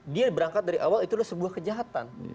dia berangkat dari awal itu adalah sebuah kejahatan